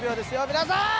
皆さん！